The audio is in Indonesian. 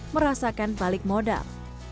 merasakan balik modal